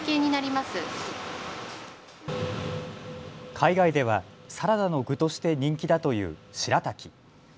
海外ではサラダの具として人気だというしらたき。